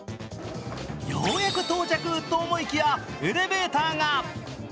ようやく到着と思いきやエレベーターが。